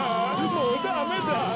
もうダメだ。